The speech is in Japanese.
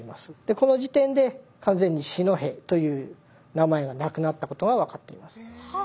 この時点で完全に四戸という名前がなくなったことが分かっています。